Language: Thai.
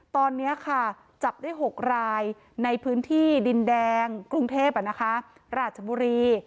ตอนนี้ค่ะจับได้๖รายในพื้นที่ดินแดงกรุงเทพราชบุรี